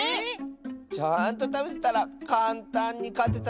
ちゃんとたべてたらかんたんにかてたのにな。